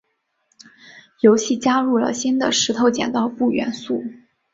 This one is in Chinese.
游戏加入了新的石头剪刀布元素。